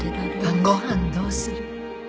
晩ご飯どうする？